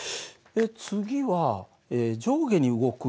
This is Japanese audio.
次は上下に動く